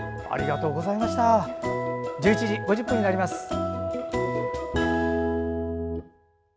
１１時５０分になります。